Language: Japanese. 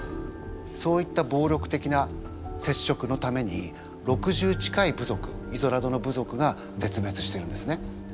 そういったぼうりょく的なせっしょくのために６０近い部族イゾラドの部族が絶滅してるんですね。